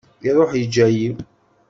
Iruḥ yeǧǧa-i.